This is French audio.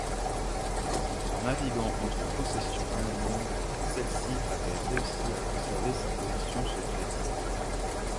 En naviguant entre possessions allemandes, celle-ci avait réussi à conserver sa position secrète.